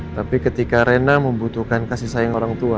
tapi ketika rena membutuhkan kasih sayang orang tua